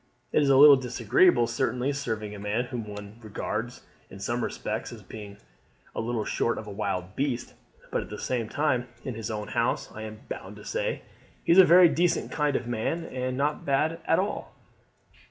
It is a little disagreeable certainly serving a man whom one regards in some respects as being a sort of wild beast; but at the same time, in his own house, I am bound to say, he is a very decent kind of man and not at all a bad fellow to get on with.